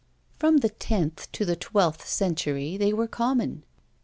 From the tenth to the twelfth century they were common.